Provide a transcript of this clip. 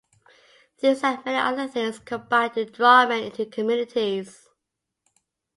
These and many other things combine to draw men into communities.